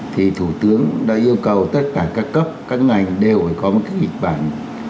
thì thủ tướng đã yêu cầu tất cả các cấp các ngành đều phải có kịch bản